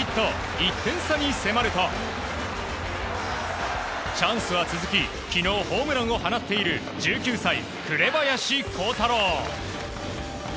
１点差に迫るとチャンスは続き昨日ホームランを放っている１９歳、紅林弘太郎。